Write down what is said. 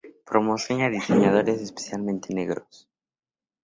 Promociona diseñadores, especialmente negros.